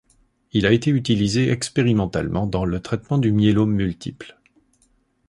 Il a été utilisé expérimentalement dans le traitement du myélome multiple.